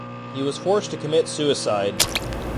He was forced to commit suicide.